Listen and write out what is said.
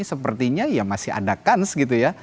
sepertinya ya masih ada kans gitu ya